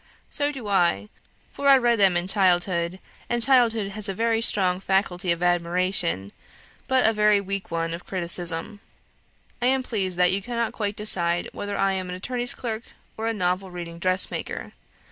So do I; for I read them in childhood, and childhood has a very strong faculty of admiration, but a very weak one of criticism ... I am pleased that you cannot quite decide whether I am an attorney's clerk or a novel reading dress maker.